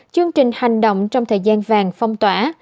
chương trình hành động trong thời gian vàng phong tỏa